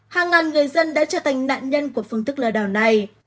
hàng ngàn người dân đã trở thành nạn nhân của phương thức lừa đảo này